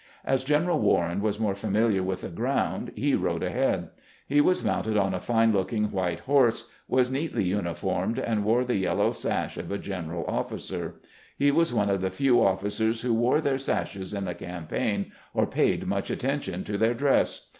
As General "Warren was more familiar with the ground, he rode ahead. He was mounted on a fine look ing white horse, was neatly uniformed, and wore the yeUow sash of a general ofi&cer. He was one of the few ofl&cers who wore their sashes in a campaign, or paid much attention to their dress.